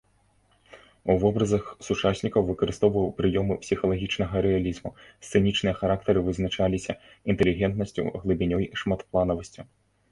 У вобразах сучаснікаў выкарыстоўваў прыёмы псіхалагічнага рэалізму, сцэнічныя характары вызначаліся інтэлігентнасцю, глыбінёй, шматпланавасцю.